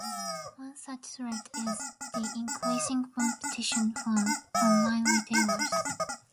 One such threat is the increasing competition from online retailers.